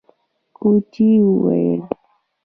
کوچي وويل: